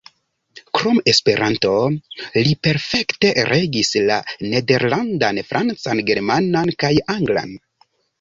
Krom Esperanto, li perfekte regis la nederlandan, francan, germanan kaj anglan.